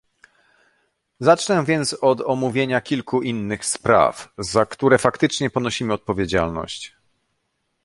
Zacznę więc od omówienia kilku innych spraw, za które faktycznie ponosimy odpowiedzialność